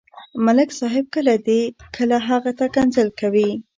ملک صاحب کله دې، کله هغه ته کنځل کوي.